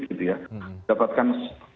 gitu ya mendapatkan